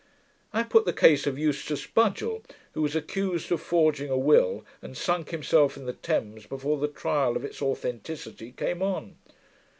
I put the case of Eustace Budgell, who was accused of forging a will, and sunk himself in the Thames, before the trial of its authenticity came on.